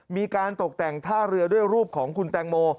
มีการตกแต่งท่าเรือด้วยรูปของคุณแตงโม